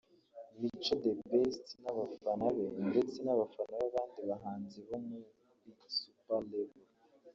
Mico The Best n’abafana be ndetse n’abafana b’abandi bahanzi bo muri Super Level